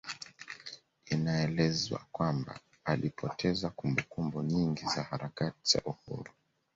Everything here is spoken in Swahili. Inaelezwa kwamba alipoteza kumbukumbu nyingi za harakati za Uhuru